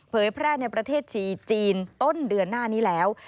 แพร่ในประเทศจีนต้นเดือนหน้านี้แล้ว